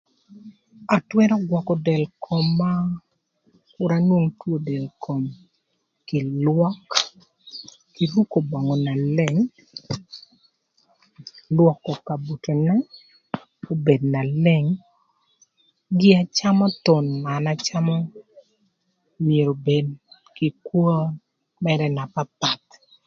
An atwërö gwökö del koma ëk kür anwong two del kom ï kin lwak, kï ruko böngü na leng, lwökö ka butona obed na leng, gin acama thon na an acamö myero obed kï kwö mërë na papath